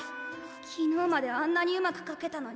昨日まであんなにうまく描けたのに。